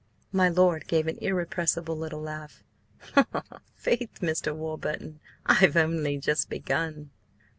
My lord gave an irrepressible little laugh. "Faith, Mr. Warburton, I've only just begun!"